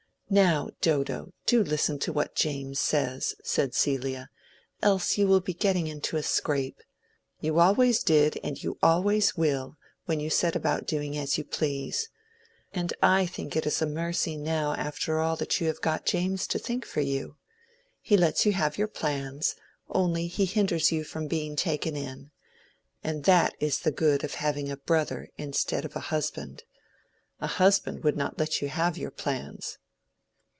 "Now, Dodo, do listen to what James says," said Celia, "else you will be getting into a scrape. You always did, and you always will, when you set about doing as you please. And I think it is a mercy now after all that you have got James to think for you. He lets you have your plans, only he hinders you from being taken in. And that is the good of having a brother instead of a husband. A husband would not let you have your plans."